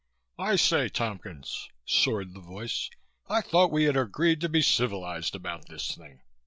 "I say, Tompkins," soared the voice. "I thought we had agreed to be civilized about this thing."